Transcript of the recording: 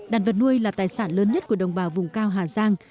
đàn vật nuôi là tài sản lớn nhất của đồng bào vùng cao hà giang